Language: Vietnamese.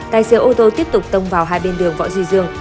tài xế ô tô tiếp tục tông vào hai bên đường võ duy dương